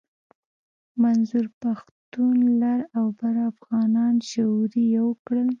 منظور پښتون لر او بر افغانان شعوري يو کړل.